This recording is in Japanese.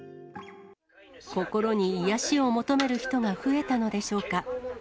心に癒やしを求める人が増えたのでしょうか。